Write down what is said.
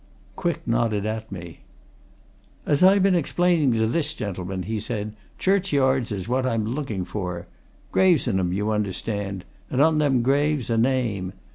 Quick nodded at me. "As I been explaining to this gentleman," he said, "churchyards is what I'm looking for. Graves in 'em, you understand. And on them graves, a name.